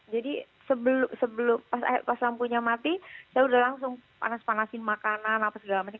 jadi sebelum pas lampunya mati saya udah langsung panas panasin makanan apa segala macem